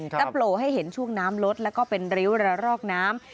โผล่ให้เห็นช่วงน้ำลดแล้วก็เป็นริ้วระรอกน้ำ